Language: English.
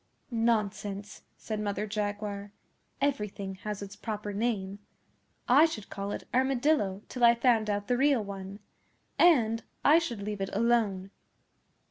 'Nonsense!' said Mother Jaguar. 'Everything has its proper name. I should call it "Armadillo" till I found out the real one. And I should leave it alone.